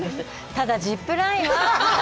ただ、ジップラインは。